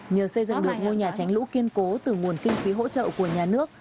nhờ xây dựng được ngôi nhà tránh lũ kiên cố từ nguồn kinh phí hỗ trợ của nhà nước